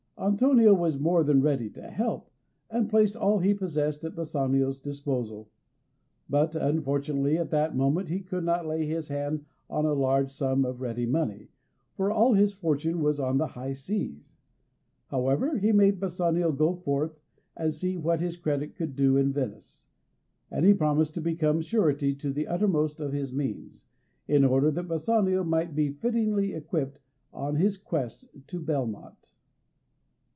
Antonio was more than ready to help, and placed all he possessed at Bassanio's disposal. But, unfortunately, at that moment he could not lay his hand on a large sum of ready money, for all his fortune was on the high seas. However, he bade Bassanio go forth, and see what his credit could do in Venice; and he promised to become surety to the uttermost of his means, in order that Bassanio might be fittingly equipped on his quest to Belmont.